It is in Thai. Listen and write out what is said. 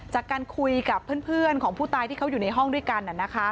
จากการคุยกับเพื่อนของผู้ตายที่เขาอยู่ในห้องด้วยกัน